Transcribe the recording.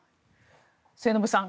末延さん